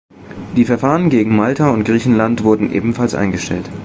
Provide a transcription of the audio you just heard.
Die Verfahren gegen Malta und Griechenland wurden ebenfalls eingestellt.